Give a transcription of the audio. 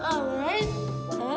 hah hah hah hah